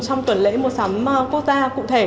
trong tuần lễ mua sắm quốc gia cụ thể